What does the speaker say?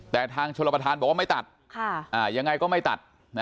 แต่ทางชลประธานบอกว่าไม่ตัดยังไงก็ไม่ตัด